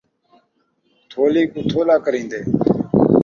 تھولی کوں تھولا کریندے